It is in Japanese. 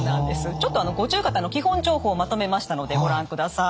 ちょっと五十肩の基本情報をまとめましたのでご覧ください。